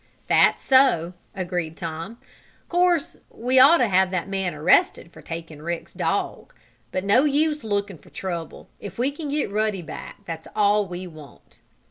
"That's so," agreed Tom. "Course we ought to have that man arrested for taking Rick's dog. But no use looking for trouble. If we can get Ruddy back that's all we want."